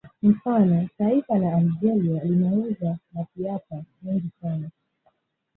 Mfano taifa la Algeria linauza mapiapa mengi sana